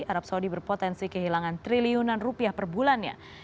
arab saudi berpotensi kehilangan triliunan rupiah per bulannya